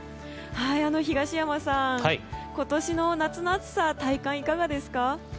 東山さん、今年の夏の暑さ体感、いかがですか？